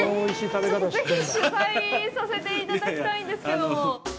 ちょっとぜひ取材させていただきたいんですけども。